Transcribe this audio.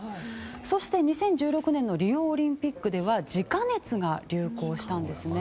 そして、２０１６年のリオオリンピックではジカ熱が流行したんですね。